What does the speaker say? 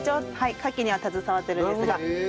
カキには携わってるんですが。